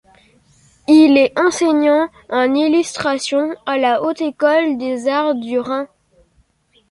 Il est enseignant en illustration à la Haute École des arts du Rhin.